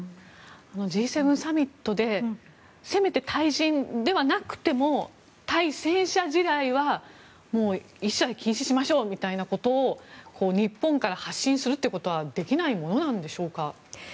Ｇ７サミットでせめて対人ではなくても対戦車地雷は一切禁止しましょうみたいなことを日本から発信するということはできないものなんでしょうか。